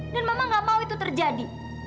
dan mama nggak mau itu terjadi